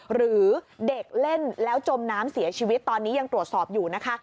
หรือเด็กเล่นแล้วจมน้ำเสียชีวิตตอนนี้ยังตรวจสอบอยู่นะคะ